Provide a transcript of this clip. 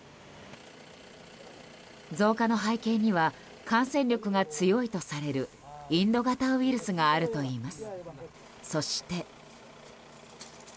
増加の背景には感染力が強いとされるインド型ウイルスがあるといいます。